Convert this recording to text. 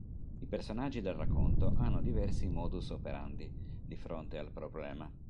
I personaggi del racconto hanno diversi modus operandi di fronte al problema.